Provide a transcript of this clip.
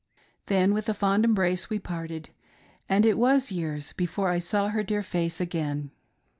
Then with a fond embrace we parted, and it was years before I saw her dear face again.